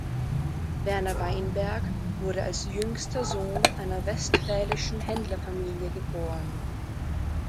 Werner Weinberg wurde als jüngster Sohn einer westfälischen Händlerfamilie geboren.